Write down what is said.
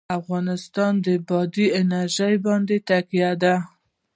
افغانستان په بادي انرژي باندې تکیه لري.